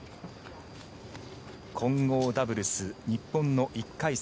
混合ダブルス、日本の１回戦